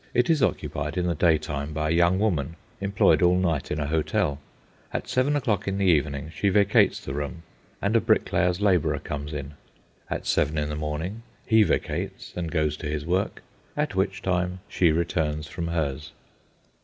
It is occupied in the daytime by a young woman employed all night in a hotel. At seven o'clock in the evening she vacates the room, and a bricklayer's labourer comes in. At seven in the morning he vacates, and goes to his work, at which time she returns from hers.